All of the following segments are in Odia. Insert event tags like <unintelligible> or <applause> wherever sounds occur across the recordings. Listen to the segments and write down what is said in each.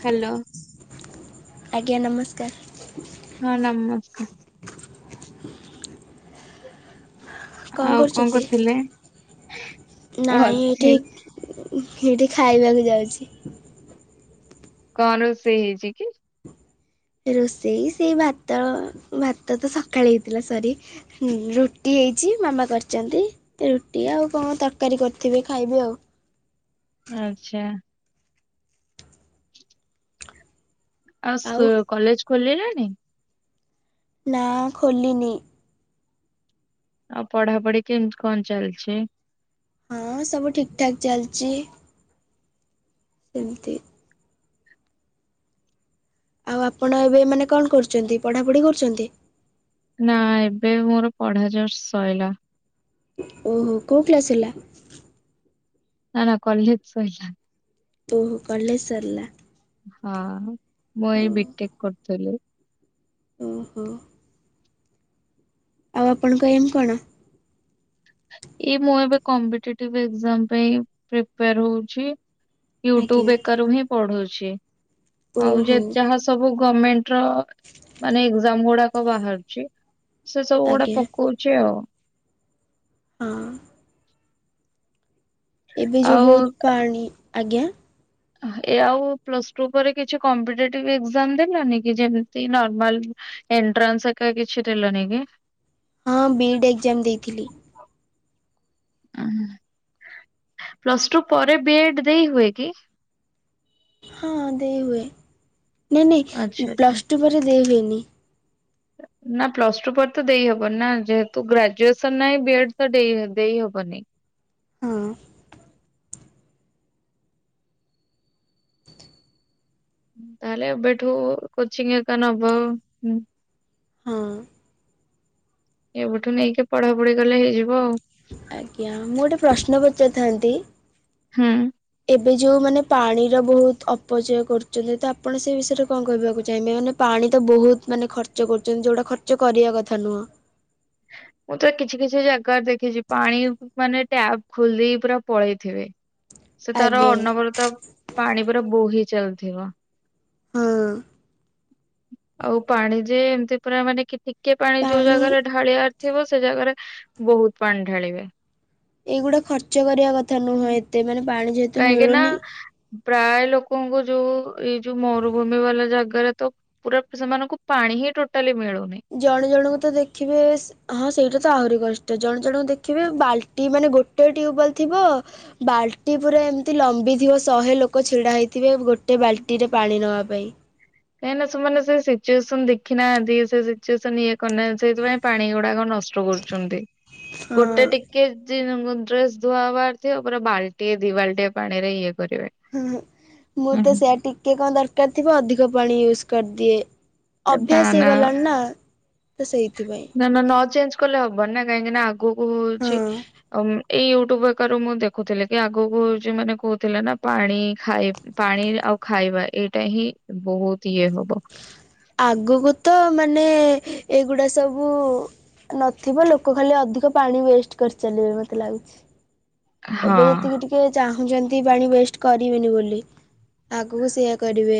ହ୍ୟାଲୋ। ଆଜ୍ଞା ନମସ୍କାର। ହଁ ନମସ୍କାର। କଣ ଆଉ କରୁଛନ୍ତି କରୁଥିଲେ? ନାଇଁ ବସିଛି ଏଠି ସେଇଠି ଖାଇବାକୁ ଯାଉଛି। କଣ ରୋଷେଇ ହେଇଚି କି? ରୋଷେଇ ସେଇ ଭାତ ଭାତ ତ ସକାଳେ ହେଇଥିଲା ସରି ରୁଟି ହେଇଛି ମାମା କରିଛନ୍ତି। ରୁଟି ଆଉ କଣ ତରକାରୀ କରିଥିବେ ଖାଇବି ଆଉ। ଆଚ୍ଛା। ଆଉ ସ କଲେଜ ଖୋଲିଗଲାଣି? ନା ଖୋଲିିନି। ଆଉ ପଢାପଢି କେମିତି କଣ ଚାଲିଛି? ହଁ ସବୁ ଠିକ ଠାକ ଚାଲିଛି। ସେମିତି ଆଉ ଆପଣ ଏବେ ମାନେ କଣ କରୁଛନ୍ତି ପଢ଼ାପଢ଼ି କରୁଛନ୍ତି? ନା ଏବେ ମୋର ପଢା ଜଷ୍ଟ ସ‌ଇଲା । ଓହୋ କୋଉ କ୍ଲାସ୍ ହେଲା? ନା ନା କଲେଜ ସ‌ଇଲା। ଓହୋ କଲେଜ ସ‌ରିଲା। ହଁ ମୁଁ ଏଇ ବି ଟେକ୍ କରୁଥିଲି। ଓ ହୋ। ଆଉ ଆପଣଙ୍କ ଏମ୍ କଣ? ଏ ମୁଁ ଏବେ କମ୍ପିଟେଟିବ ଏକଯାମ ପାଇଁ ପ୍ରିପେଆର ହ‌ଉଚି। ଆଜ୍ଞା। ୟୁଟ୍ୟୁବ ଏକ ର ହିଁ ପଢୁଛି ଆଉ ଓହୋ ଯଦି ଯେ ଯାହା ସବୁ ଗମେଣ୍ଟ ର ମାନେ ଏକଜାମ ଗୁଡାକ ବାହାରୁଛି ସେ ସବୁ ଗୁଡା ଆଜ୍ଞା ପକଉଛି ଆଉ। ହଁ। ଏବେ ଯୋଉ ଆଉ ବହୁତ ପାଣି ଆଜ୍ଞା ଏ ଆଉ ପ୍ଲସ୍ ଟୁ ପରେ କିଛି କମ୍ପିଟେଟିଭ ଏଗ୍ଜାମ୍ ଦେଲନି କି ଯେମିତି ନର୍ମାଲ ଏଣ୍ଟ୍ରାନ୍ସ ଏକା କିଛି ଦେଲନି କି? ହଁ ବିଇଡ୍ ଏଗ୍ଜାମ୍ ଦେଇଥିଲି। ହ ପ୍ଲସ୍ ଟୁ ପରେ ବି ଏଡ ଦେଇ ହୁଏ କି? ହଁ ଦେଇ ହୁଏ। ନାଇଁ ନାଇଁ ଆଚ୍ଛା ଆଚ୍ଛା। ପ୍ଲସ ଟୁ ପରେ ଦେଇ ହୁଏନି। <inaudible> ନା ପ୍ଲସ ଟୁ ପରେ ତ ଦେଇହବନି ନା ଯେହେତୁ ଗ୍ରାଜୁଏସନ ନାହିଁ ବି ଏଡ ତ ଦେ ଦେଇ ଦେଇହବନି। ହଁ ତାହେଲେଏବେଠୁ କୋଚିଙ୍ଗ ହେଇକା ନବ ହୁଁ। ହଁ। ଏବେଠୁ ନେଇକି ପଢାପଢି କଲେ ହେଇଯିବ ଆଉ। ଆଜ୍ଞା ମୁଁ ଗୋଟେ ପ୍ରଶ୍ନ ପଚାରି ଥାନ୍ତି? ହୁଁ। ଏଇ ଯୋଉମାନେ ପାଣିର ବହୁତ ଅପଚୟ କରୁଛନ୍ତି। ତ ଆପଣ ସେ ବିଷୟରେ କଣ କହିବାକୁ ଚାହିଁବେ ମାନେ ପା ପାଣି ତ ବହୁତ ମାନେ ଖର୍ଚ୍ଚ କରୁଛନ୍ତି। ଯୋଉଟା ଖର୍ଚ୍ଚ କରିବା କଥା ନୁହଁ। <inaudible> ମୁଁ ତ କିଛି କିଛି ଜାଗାରେ ଦେଖିଛି। ପାଣି ମାନେ ଟ୍ୟାପ୍ ଖୋଲିଦେଇକି ପୁରା ପଳେଇଥିବେ। ସେ ତାର ଆଜ୍ଞା ଅନବରତ ପାଣି ପୁରା ବୋହି ଚାଲିଥିବ। ହଁ ଆଉ ପାଣି ଯେ ଏମତି ପୁରା ମାନେ କି ଟିକେ ପାଣି ଯୋଉ ଜାଗାରେ ଢାଳିବାର ଥିବ। ସେ ଜାଗାରେ ବହୁତ ପାଣି ଢାଳିବେ। ଏଇଗୁଡା ଖର୍ଚ୍ଚ କରିବା କଥା ନୁହଁ। ଏତେ ମାନେ ପାଣି ଯେହେତୁ କାହିଁକି ନା ମିଳୁନି ପ୍ରାୟ ଲୋକଙ୍କୁ ଯୋଉ ଏଇ ଯୋଉ ମରୁଭୂମି ବାଲା ଜାଗାରେ ତ ପୁରା ସେମାନଙ୍କୁ ପାଣି ପାଣି ହିଁ ଟୋଟାଲି ମିଳୁ ଜଣେ ଜଣଙ୍କୁ ତ ଦେଖିବେ ହଁ ସେଇଟା ତ ତ ଆହୁରି କଷ୍ଟ ଜଣେ ଜଣଙ୍କୁ ଦେଖିବେ ବାଲ୍ଟି ମାନେ ଗୋଟେ ଟ୍ୟୁବୱଲ ଥିବ। ବାଲ୍ଟି ପୁରା ଏମିତି ଲମ୍ବି ଥିବ ଶହେ ଲୋକ ଛିଡା ହେଇଥିବେ ଗୋଟେ ବାଲ୍ଟି ରେ ପାଣି ନବା ପାଇଁ କାହିଁକିନା ସେମାନେ ସେ ସିଚୁଏସନ ଦେଖିନାହାନ୍ତି। ସେ ସିଚୁଏସନ ଇଏ କରିନାହାନ୍ତି ସେଥିପାଇଁ ପାଣି ଗୁଡାକ ନ କଷ୍ଟ କରୁଚନ୍ତି ଗୋଟେ ହଁ ଟିକେ ଜି ଯୁ ଜୁନ୍ ଡ୍ରେସ ଧୁଆ ହବାର ଥିବ ପୁରା ବାଲ୍ଟି ଦିଇ ବାଲଟିଆ ପାଣିରେ ଇଏ କରିବେ। ହୁଁ ହୁ ମୁଁ ହୁଁ ତ ହୁଁ। ସେୟା ଟିକେ କଣ ଦରକାର ଥିବ ଅଧିକ ପାଣି ୟୁଜ୍ କରିଦିଏ। ବା ଅଭ୍ୟାସ ନା ହେଇଗଲାଣି ତ ସେଇଥିପାଇଁ। ନା ନା ନ ଚେଞ୍ଜ କଲେ ହବ ନି ନା। କାହିଁକିନା ଆଗକୁ ହଉଛି ହଁ ଏଇ ୟୁଟ୍ୟୁବ ହେକାରରୁ ମୁଁ ଦେଖୁଥିଲି କି ଆଗକୁ ହଉଛି ମାନେ <unintelligible> କହୁଥିଲେ ନା ପାଣି ଖାଇ ପାଣି ଆଉ ଖାଇବା ଏଇଟା ହିଁ ବହୁତ ଇଏ ହବ। <inaudible> ଆଗୁକୁ ତ ମାନେ ଏଇଗୁଡା ସବୁ ନଥିବ ଲୋକ ଖାଲି ଅଧିକ ପାଣି ୱେଷ୍ଟ କରି ଚାଲିବେ ମତେ ଲାଗୁଛି। ହଁ ଏବେ ଯେତିକି ଟିକେ ଚାହୁଁଛନ୍ତି ପାଣି ୱେଷ୍ଟ କରିବେନି ବୋଲି ଆଗୁକୁ ସେଇଆ କରିବେ।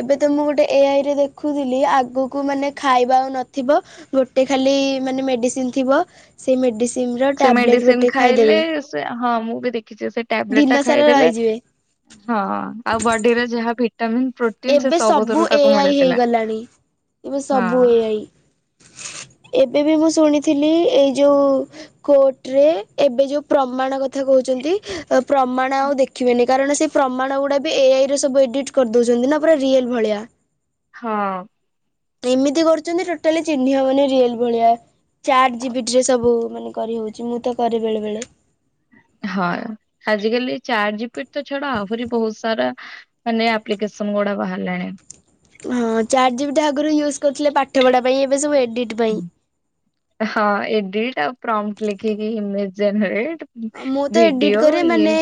ଏବେ ତ ମୁଁ ଗୋଟେ ଏ ଆଇ ରେ ଦେଖୁଥିଲି ଆଗୁକୁ ମାନେ ଖାଇବା ଆଉ ନଥିବ, ଗୋଟେ ଖାଲି କି ମାନେ ମେଡ଼ିସିନ୍ ଥିବ, ସେ ମେଡିସିନ ର ସେ ଟାବଲେଟ୍ ମେଡିସିନ ଗୋଟେ ଖାଇଲେ ଖାଇଦବେ। ସେ ହଁ ମୁଁ ବି ଦେଖିଛି ସେ ଟ୍ୟାବଲେଟ ଟା ଖାଇଦେଲେ ରହିଯିବେ। ହଁ ଆଉ ବଡିରେ ଯାହା ଭିଟାମିନ ପ୍ରୋଟିନ ସେ ଏବେ ସବୁ ସବୁଥିରୁ ଏ ତାକୁ ଆଇ ମିଳିଥିଲା ହେଇଗଲାଣି, ଏବେ ହଁ ସବୁ ଏ ଆଇ। ଏବେ ବି ମୁଁ ଶୁଣିଥିଲି ଏଇ ଯୋଉ କୋର୍ଟରେ ଏବେ ଯେଉଁ ପ୍ରମାଣ କଥା କହୁଛନ୍ତି ଏ ପ୍ରମାଣ ଆଉ ଦେଖିବେନି କାରଣ ସେଇ ପ୍ରମାଣ ଗୁଡା ବି ଏ ଆଇରେ ସବୁ ଏଡିଟ୍ କରିଦଉଛ <unintelligible> ନା ପୁରା ରିଏଲ ଭଳିଆ। ହଁ। ଏମିତି କରୁଚନ୍ତି ଟୋଟାଲି ଚିହ୍ନି ହବନି ରିଅଲ୍ ଭଳିଆ। ଚାଟ୍ ଜିପିଟିରେ ସବୁ ମାନେ କରିହଉଚି, ମୁଁ ତ କରେ ବେଳେ ବେଳେ। ହ। ହଁ ଆଜିକାଲି ଚାର ଜ ପି ତ ଛଡା ଆହୁରି ବହୁତ ସାରା ମାନେ ଆପ୍ଲିକେସନ ଗୋଟେ ବାହାରିଲାଣି। ହଁ ଚାର ଜିବ ଟା ଆଗରୁ ୟୁଜ କରିୁଥିଲେ ପାଠପଢା ପାଇଁ ଏବେ ସବୁ ଏଡିଟ୍ ପାଇଁ। ହଁ ଏଡିଟା ପ୍ରମଟ ଲେଖେ କି ହିମ ଜନ ମୁଁ ତ ଏଡିଟ୍ କରେ ମାନେ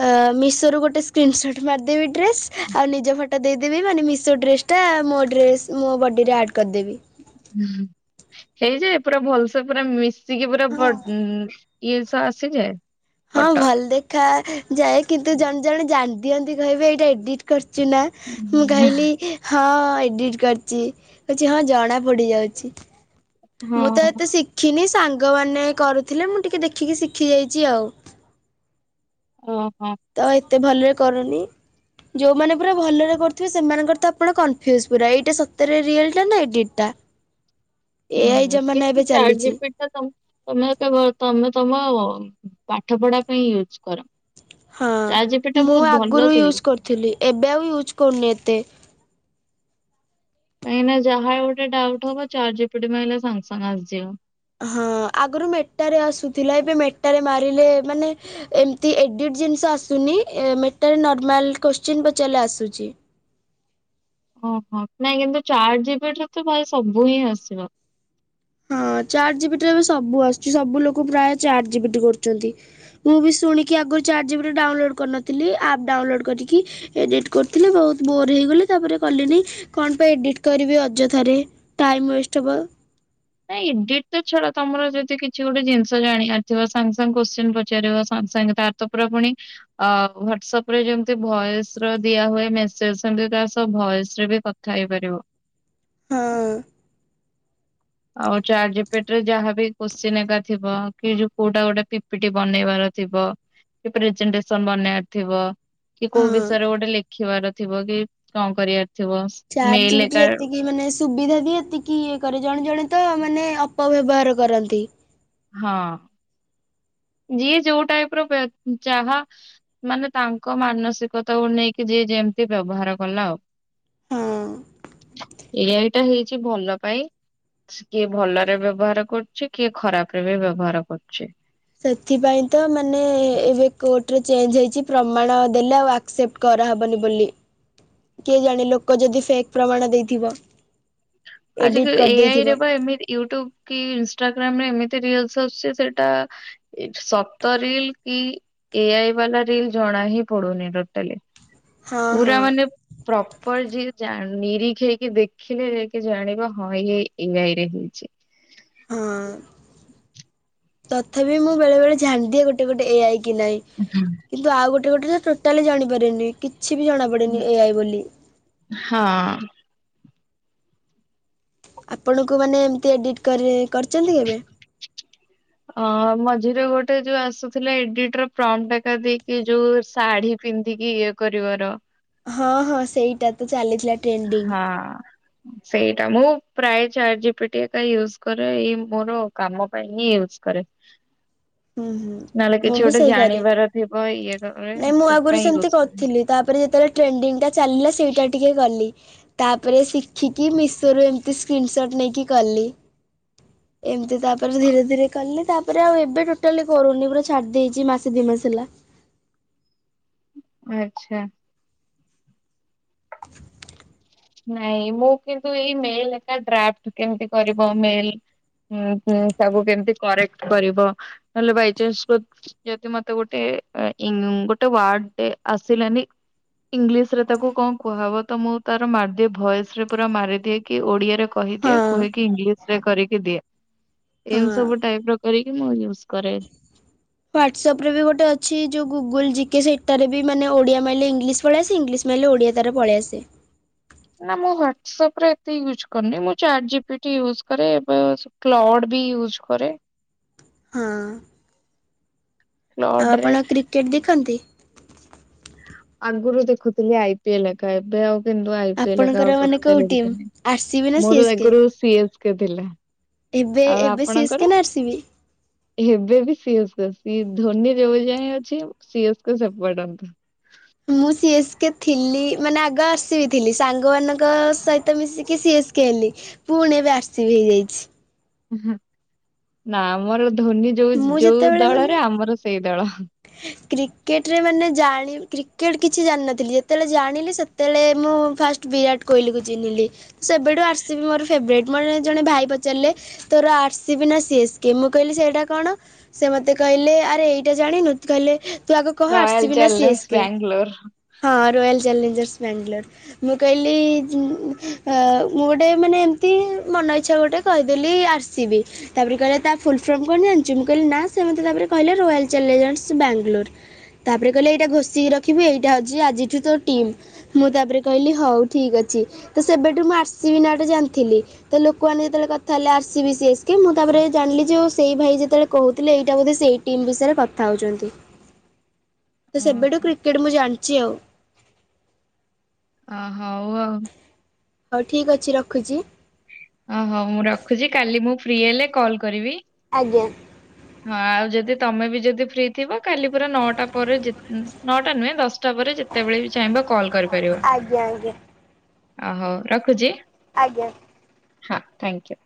ହଁ ମିଶୋରୁ ଗୋଟେ ସ୍କ୍ରିନ୍ସଟ୍ ମିଦେବି ଡ୍ରେସ୍ ଆଉ ନିଜ ଫଟୋ ଟା ଦେଇଦେବି ମାନେ ମିଶୋ ଡ୍ରେସଟା ମୋ ଡ୍ରେସ ମୋ ବଡିରେ ଆଡ୍ କରିଦେବି। ହେଇଯ ପୁରା ଭଲସେ ପୁରା ମିଶିକି ପୁରା ଇଏସ ଆସିଯାଏ। ହଁ ଭଲ ଦେଖ ଯାଏ, କିନ୍ତୁ ଜଣେ ଜଣେ ଜାଣି ଦିଅନ୍ତି କହିବେ ଏଇଟା ଏଡିଟ କରି ଚୁନା ମୁଁ କହିଲି ହଁ ଏଡିଟ କରିଛିଛି ହଁ ଜଣା ପଡି ଯାଉଛି। ହଁ ମୁଁ ତ ଏତେ ଶିଖିନି ସାଙ୍ଗମାନୋନ କରୁଥିଲେ ମୁଁ ଟିକେ ଦେଖିକି ଶିଖି ଯାଇଛି ଆଉ। ଓହୋ ତ ଏତେ ଭଲରେ କରୁନି। ଯୋଉମାନେ ପୁରା ଭଲରେ କରୁଥିବେ ସେମାନଙ୍କର ତ ଆପଣ କନଫ୍ୟୁଜ ପୁରା ଏଇଟା ସତରେ ରିୟାଲ ଟା ନା ଏଟ ଟା ଏଆଇ ହୁଁ କେ ଜମାନା ଏବେ ଚଜି ଚାଲିଛି ପି ତମ କେ ତମ ତ ପାଠ ପଢା ପାଇଁ ୟୁଜ କର। ହଁ ଚାଟ୍ ଜିପିଟି ଟା ମୁଁ ବହୁତ ଭଲ ଆଗରୁ ଥାଏ ୟୁଜ୍ କରିଥିଲି ଏବେ ଆଉ ୟୁଜ୍ କରୁନି ଏତେ କାହିଁକି ନା ଯାହା ଗୋଟେ ଡାଉଟ ହବ ଚାରଜପିଡି ମଲେ ସାଙ୍ଗେ ସାଙ୍ଗେ ଆସିଯିବ। ହଁ ଆଗରୁ ମେଟ ରେ ଆସୁଥିଲା ଏବେ ମେଟ ମଟାରେ ମାରିଲେ ମାନେ ଏମିତି ଏଡ଼ିଟ୍ ଜିନିଷ ଆସୁନି, ମେଟାରେ ନର୍ମାଲ୍ କୋଶ୍ଚିନ୍ ପଚଲ ଆସୁଛି। ଓହୋ ନାଇଁ କିନ୍ତୁ ଚାର ଜିବି ତ ଭାଇ ସବୁ ହିଁ ଆସିବ। ହ ଚାର ଜିବ ରେ ଏବେ ସବୁ ଆସୁଛି ସବୁ ଲୋକ ପ୍ରାୟ ଚାର ଜିବି କରୁଛନ୍ତି ମୁଁ ବି ଶୁଣି ଚାର୍ଜିବ ଡାଉନଲୋଡ କରିନଥିଲି ଆପ୍ ଡାଉନଲୋଡ୍ କରିକି ଏଡିଟ କରିଥିଲଥିଲେ ବହୁତ ବୋର ହେଇଗ ତାପରେ କଣ ପାଇଁ ଏଟ କରି ଅଯଥାରେ ଟାଇମ ୱାଷ୍ଟେ। ନାଇଁ ଏଡିଟ ତ ଛଡା ତମର ଯଦି କିଛି ଗୋଟେ ଜିନିଷ ଜାଣିବାରିଥିବ, ସାଙ୍ଗେ ସାଙ୍ଗେ କୋଶ୍ଚିନ୍ ପଚାରିବ ସାଙ୍ଗଙ୍ଗେ ସାଙ୍ଗେ ତରେ ପୁଣି ଅ ହଵାଟସଆପ ରେ ଯେମତି ଭୟସ ର ଦିଆ ହୁଏ, ମେସେଜ ସେ ଭୟସ ରେ ବି କଥା ହେଇପାରିବ। ହଁ ଆଉ ଚଜ ପେଟ ରେ ଯାହାବି କୋସିିନେଗା ଥିବ। କି ଯୋଉ କୋଉଟା ଗୋଟେ ପିପିଟି ବନେଇବାର ଥିବ। କି ପ୍ରେଜେଟେନ୍ସନ ବନେଇ ଥିବ। କି କୋଉ ହଁ। ବିଷୟରେ ଗୋଟେ ଲେଖିବାର ଥିବ କି କଣ କରିବାର ଥିବ। ମେ ଚାଟ୍ ଏଲେ ଜିପିଟି ଏକା ଏତିକି ମାନେ ସୁବିଧା ବି ଏତିକି ଇଏ କରେ ଜଣେ ଜଣେ ତ ମାନେ ଅପବ୍ୟବହାର କରନ୍ତି। ହଁ। ଯିଏ ଯୋଉ ଟାଇପ ର ଚାହା ମାନେ ତାଙ୍କ ମାନସିକତାକୁ ନେଇକି ଯିଏ ଯେ ଏମତି ବ୍ୟବହାର କଲା ଆଉ। ହଁ ଏଆ ଏଇଟା ହେଇଛି ଭଲ ପାଇଁ କିଏ ଭଲରେ ବ୍ୟବହାର କରୁଛି କିଏ ଖରାପ ରେ ବି ବ୍ୟବହାର କରୁଛି। ସେଥିପାଇଁ ତ ମାନେ ଏବେ କୋର୍ଟରେ ଚେଞ୍ଜ ହେଇଛି, ପ୍ରମାଣ ଦେଲେ ଆଉ ଆକ୍ସେପ୍ଟ ବି କିଏ ଜାଣେ ଲୋକ ଯଦି ଫ ପ୍ରମାଣ ଦେଇଥିବ। ଆଜିକା ଏଡିଟ୍ ଏଆଇ କରିଦେଇଥିବ। ରେ ବା ଏମିତି ୟୁଟ୍ୟୁବ କି ଇନଷ୍ଟାଗ୍ରାମ ରେ ଏମିତି ଛି ସେଟା ସପ୍ତ ରିଲ କି ଏଆଇ ବାଲା ରିଲ ଜଣା ହଁ ପଡୁନି, ଟୋଟାଳି ହଁ ହଁ ପୁରା ମାନେ ପ୍ରପର ଯିଏ ନିରଖ ହେଇକି ଦେଖିଲେ ଯକ ଜାଣିବା। ହଁ ଏ ଏଆଇରେ ହେଇଛି। ହଁ। ହଁ ତଥାପି ମୁଁ ବେଳେବେଳେ ଝାନଦିଏ ଗୋଟେ ଗୋଟେ ଏ ଆଇ କି ନାଇଁ। କିନ୍ତୁ ଆଉ ଗୋଟେ ଗୋଟେ ରେ ଟୋଟାଲି ଜାଣିପାରନି କି କିଛି ବି ଜଣାପଡେନି ଏ ଆଇ ବୋଲି। ହଁ। ଆପଣଙ୍କୁ ମାନେ ଏମତି ଏଡିଟ୍ କରି କରିଚନ୍ତି କେବେ? ଅ ମଝିରେ ଗୋଟେ ଯୋଉ ଆସୁଥିଲା ଏଡିଟର ଫ୍ରମ ଡାଟା ଦେଇକି ଯୋଉ ଶାଢୀ ପିନ୍ଧିକି ଇଏ କରିବ ର ହଁ ହଁ ସେଇଟାତ ଚାଲିଥିଲା ଟ୍ରେଡିଙ୍ଗ। ହଁ। ସେଇଟା ମୁଁ ପ୍ରାୟ ଚାରଜିପିଟି ଏକା ୟୁଜ୍ କରେ। ଏଇ ମୋର କାମ ପାଇଁ ହିଁ ୟୁଜ କରେ। ହୁଁ ହୁଁ ନଏଲେ ମୁଁ କିଛି ବି ଗୋଟେ ସେଇ କରେ। ଜାଣିବାର ଥିବ ଇଏ କବରେ ସେଥିପାଇଁ ୟୁଜ କରେ। ଟ୍ରେଣ୍ଡିଙ୍ଗ ଟା ଚାଲିଲା ସେଇଟା ଟିକେ ଗଲି। ତାପରେ ଶିଖିକି ମିଶୋରୁ ଏମତି ସ୍କ୍ରିନସଟ୍ ନେଇକି କଲି ଏମ ତି ତାପରେ ଧୀରେ ଧୀରେ କଲି ତାପରେ ଆଉ ଏବେ ଟୋ ଟାଲି କରୁନି ପୁରା ଛାଡଦେଚି ମାସେ ଦି ମାସେ ହେଲା। ଆଛା। ନାଇଁ ମୁଁ କିନ୍ତୁ ଏଇ ମେଲ ଏକା ଡ୍ରାଫଟ କେମତି କରିବ ମେଲ। ହୁଁ ହୁଁ ତାବୁ କେମତି କରେକ୍ଟ କରିବ ନଏଲେ ବାଇଚାନ୍ସ ସୋଚ ଦିଅନ୍ତି ମତେ ଗୋଟେ। ଏ ଆ ଇନୁ ଗୋଟେ ୱାର୍ଡଟେ ଆସିଳାନି। ଇଂଲି ରେ ତାକୁ କଣ କୁହାହବ ତ ମୁଁ ତା ମାରିଦିଏ ଭଏସରେ ପୁରା ମାରିଦେଇକି ଓଡିଆରେ କହିଦିଏ ହଁ କୁହେକି ଇଂଲିସ ସରେ କରିକି ଦିଏ। ଏମତି ହଁ। ସବୁ ଟାଇପର କରିକି ମୁଁ ୟୁଜ କରେ। ହ୍ଵାଟ୍ସଆପରେ ବି ଗୋଟେ ଅଛି ଯୋଉ ଗୁଗୁଲ ଜିକେ। ସେଟାରେ ବି ମାନେ ଓଡିଆ ମାଇେ ଇଂଲିଶ ପଲିଆସେ ଇଂଲିଶ ମାଇଲେ ଓଡ଼ିଆ ତାର ପଳିଆସେ। ହ ନା ମୁଁ ହ୍ଵାଟ୍ସଆପରେ ଏତେ ୟୁଜ କରନି ମୁଁ ଚାଟଜିପିଟି ୟୁଜ କରେ ଏବେ ସ୍ଲଡ଼ ବି ୟୁଜ କରେ। ହଁ। ଆଉ କ୍ଲଡ ରେ ଆପଣ କ୍ରିକେଟ ଦେଖନ୍ତି? ଆଗରୁ ଦେଖୁଥିଲି ଆଇ ପି ଏଲ ଏକା ଏବେ ଆଉ ବିମ୍ବୋ ଆଇ ପି ଏକା ଆପଣଙ୍କର ଆଉ ମାନେ କୋଉ ଟୋଟାଲି ଵି ଟିମ୍ ଦେଖୁନି ଆର ସି ବି ନା ସି ମୋର ଏସ୍ କେ? ଦେଖୁରୁ ସି ଏଚ କେଟିଲଟା। ଏବେ ଆଉ ଏବେ ସି ଏସ୍ କେ ଆପଣଙ୍କର ନା ଆର ସି ବି? ଏବେ ବି ସିଅସ ବେସ। ପି ଏଫ ଧୋନି ଯୋଉ ଯାଏଁ ଅଛି ସି ଏସକୁ ସପୋଟ। ମୁଁ ସିଏସ୍ କେ ଥିଲି ମାନେ ଆଗ ଆସିିଯାଇଥିଲି ସାଙ୍ଗମାନଙ୍କ ସହିତ ମିଶିକି ସିଏ ସ୍କେଲି ପୁଣି ଏବେ ଆର ସି ବି ହେଇଯାଇଚି। ଆହା ନା ଆମର ଧୋନି ଯୋଉ ମୁଁ ଯୋଉ ଯେତେବେଳେ ଦଳରେ ମାନେ ଆମର ସେଇ ଦଳ। କ୍ରିକେଟ୍ କିଛି ଜାଣିନଥିଲି ଯେତେବେଳେ ଜାଣିଲି ସେତେବେଳେ ମୁଁ ଫାଷ୍ଟ ବିରାଟ କୋଇଲିକୁ ଚିହ୍ନିଲି। ସେବେଠୁ ଆର ସିବି ମୋର ଫେବରେଟ। ମୋର ଜଣେ ଭାଇ ପଚାରିଲେ ତୋର ଆରସି ବିି ନା ସିଏସ୍ କେ ମୁଁ କଇ ସେଇଟା କଣ ସେ ମତେ କହିଲେ ଆରେ ଏଇଟା ଜାଣିନୁ। କହିଲେ ତୁ ଆଗ କହ ଆର ରୟାଲ ସିବି ନା C challenge S K. Bangalore. ହଁ ରୟାଲ ଚ୍ୟାଲେଞ୍ଜର୍ସ। ବ୍ୟାଙ୍ଗଲୋର ମୁଁ କଇଲି ଅ ମୁଁ ଗୋଟେ ମାନେ ଏମତି ମନ ଇଚ୍ଛା ଗୋଟେ କହିଦେଲି ଆର ସି ବି। ତାପରେ କଇଲେ ତା ଫୁଲ୍ଫର୍ମ କଣ ଜାନଚୁ? ମୁଁ କହିଲି ନା ସେ ମତେ ତାପରେ କହିଲେ ରୟାଲ ଚ୍ୟାଲେଞ୍ଜର୍ସ। ସେ ବ୍ୟାଙ୍ଗଲୋର ତାପରେ କହିଲେ ଏଇଟା ଘୋଷିକି ରଖିବି ଏଇଟା ହୋଉଛି ଆଜିଠୁ ତୋ ଟିମ୍। ମୁଁ ତାପରେ କଇଲି ହଉ ଠିକ୍ ଅ ଚି ତ ସେବେଠୁ ମୁଁ ଆର ସି ବି ନାଁଟା ଜାନଥିଲି। ତ ଲୋକମାନେ ଯେତେବେଳେ କଥା ହେଲେ R C B C S K ମୁଁ ତା ପରେ ଜାଣିଲି ଯେ ସେଇ ଭାଇ ଯେତେବେଳେ କହୁଥିଲେ ଏଇଟା ବୋଧ ସେଇ ଟିମ୍ ବିଷୟରେ କଥା ହୋଉଛନ୍ତି। ତ ସେବେଠୁ ଓହୋ କ୍ରିକେଟ ମୁଁ ଜାନଚି ଆଉ। ଅ ହଉ ଆଉ। ହଉ ଠିକ ଅଛି ରଖୁଚି। ଫ୍ରୀ ହେଲେ କଲ୍ କରିବି। ଆ <unintelligible> ହଁ ଆଉ ଯଦି ତମେ ବି ଯଦି ଫ୍ରି ଥିବ କାଲି ପୁରା ନଅଟା ପରେ ନଅଟା ନୁହେଁ ଦଶଟା ଯେତେବେଳେ ବି ଚାହିଁବ କଲ କରିପାରିବ ଆଜ୍ଞା ଆଜ୍ଞା ହଉ ରଖୁଛି। ଆଜ୍ଞା ହଁ ଥ୍ୟାଙ୍କୟୁ